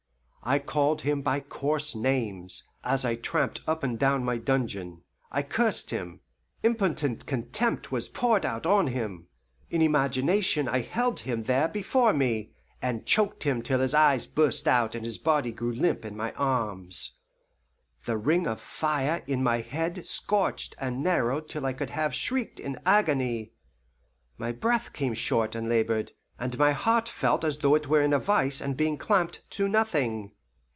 I called him by coarse names, as I tramped up and down my dungeon; I cursed him; impotent contempt was poured out on him; in imagination I held him there before me, and choked him till his eyes burst out and his body grew limp in my arms. The ring of fire in my head scorched and narrowed till I could have shrieked in agony. My breath came short and labored, and my heart felt as though it were in a vise and being clamped to nothing.